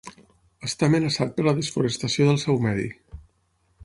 Està amenaçat per la desforestació del seu medi.